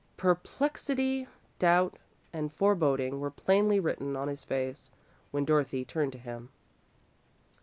Perplexity, doubt, and foreboding were plainly written on his face, when Dorothy turned to him.